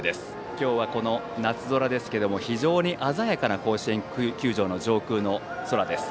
今日は、この夏空ですけれども非常に鮮やかな甲子園球場の上空の空です。